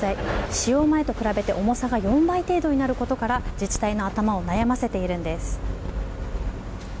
使用前と比べて重さが４倍程度になることから、自治体の頭を悩ませているんです。